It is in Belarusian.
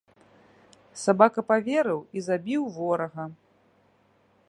Сабака паверыў і забіў ворага.